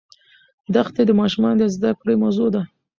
دښتې د ماشومانو د زده کړې موضوع ده.